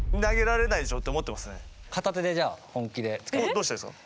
どうしたらいいですか？